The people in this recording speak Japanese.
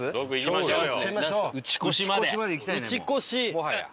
もはや。